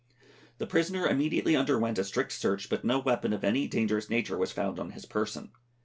The prisoner immediately underwent a strict search, but no weapon of any dangerous nature was found on his person.